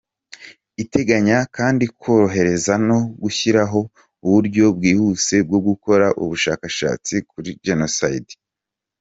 Iteganya kandi korohereza no gushyiraho uburyo bwihuse bwo gukora ubushakashatsi kuri Jenoside.